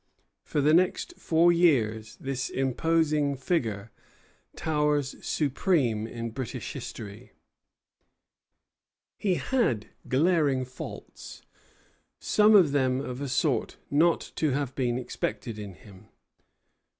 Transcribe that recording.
For the next four years this imposing figure towers supreme in British history. He had glaring faults, some of them of a sort not to have been expected in him.